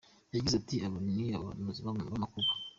Yagize ati "Abo ni abahanuzi b’amakuba.